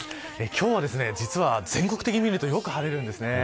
今日は、全国的に見るとよく晴れます。